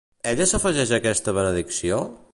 Ella s'afegeix a aquesta benedicció?